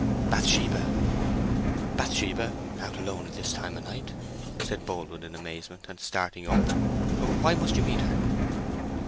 "Bathsheba." "Bathsheba—out alone at this time o' night!" said Boldwood in amazement, and starting up. "Why must you meet her?"